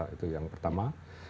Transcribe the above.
itu yang pertama